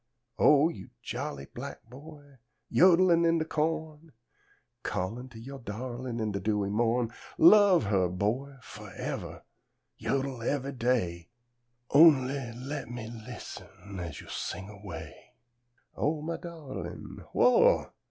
O you jolly black boy, Yod'lin' in de co'n, Callin' to yo' dawlin', In de dewy mo'n, Love 'er, boy, forevah, Yodel ever' day; Only le' me lis'n, As yo' sing away: "O mah dawlin'! Who ah!